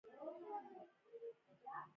دافغانستان د نجونو لپاره دوزخ دې